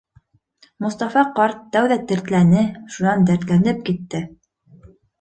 Мостафа ҡарт тәүҙә тертләне, шунан дәртләнеп китте.